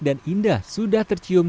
dan indah sudah tercium